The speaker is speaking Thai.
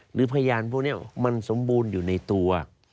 หรือพยานพวกนี้มันสมบูรณ์อยู่ในตัว